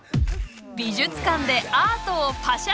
美術館でアートをパシャ！